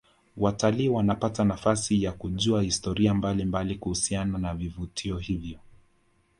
watalii wanapata nafasi ya kujua historia mbalimbali kuhusiana na vivutio hivyo